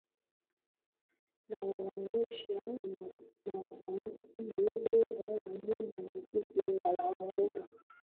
na huonyesha mafanikio bora ya muda mfupi na ya muda